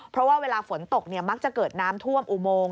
เพราะว่าเวลาฝนตกมักจะเกิดน้ำท่วมอุโมง